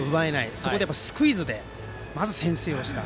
そこでスクイズでまず先制をした。